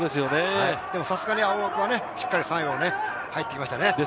でもさすがに青学がしっかり３位に入ってきましたね。